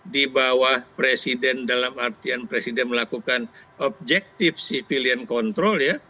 di bawah presiden dalam artian presiden melakukan objektif civil and control ya